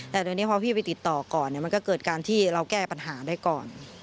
แต่ตอนนี้พอพี่ไปติดต่อก่อนมันก็เกิดการที่เราแก้ปัญหาได้ก่อน